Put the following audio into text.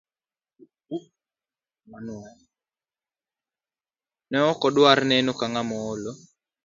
Ne okodwar neno ka ng'ama olo.